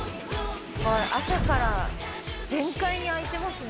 朝から全開に開いてますね。